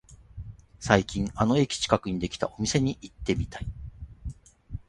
最近あの駅近くにできたお店に行ってみたい